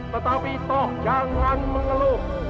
tetapi toh jangan mengelut